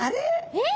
えっ！？